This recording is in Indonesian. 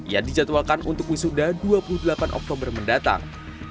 yang dijadwalkan untuk wisuda dua puluh delapan oktober mendatang